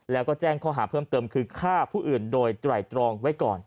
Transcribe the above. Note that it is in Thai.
แล้วก็แจ้งข้อหาเพิ่มเติมคือฆ่าผู้อื่นโดยไตรตรองไว้ก่อน